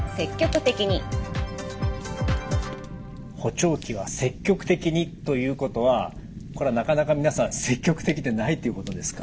「補聴器は積極的に」ということはこれはなかなか皆さん積極的でないということですか。